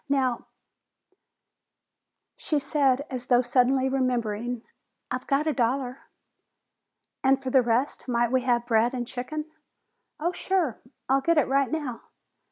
Now " She said, as though suddenly remembering, "I've got a dollar." "And for the rest might we have bread and chicken?" "Oh, sure! I'll get it right now!"